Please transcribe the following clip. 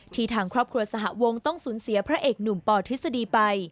ทางครอบครัวสหวงต้องสูญเสียพระเอกหนุ่มปทฤษฎีไป